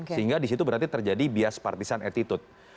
sehingga di situ berarti terjadi bias partisan attitude